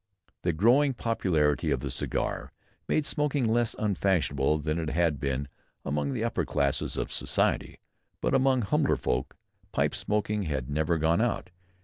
The growing popularity of the cigar made smoking less unfashionable than it had been among the upper classes of society; but among humbler folk pipe smoking had never "gone out."